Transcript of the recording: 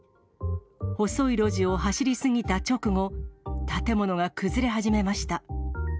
細い路地を走り過ぎた直後、建物が崩れ始めました。